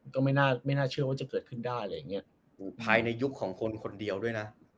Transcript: ก็ไม่น่าไม่น่าเชื่อว่าจะเกิดขึ้นได้อะไรอย่างเงี้ยภายในยุคของคนคนเดียวด้วยนะ